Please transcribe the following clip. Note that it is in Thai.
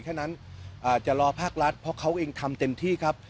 แค่นั้นจะรอภาครัฐเพราะเขาเองทำเต็มที่ครับ